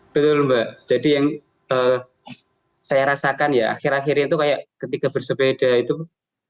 betul mbak jadi yang saya rasakan ya akhir akhir itu kayak ketika saya bersepeda saya merasa seperti saya sudah bersepeda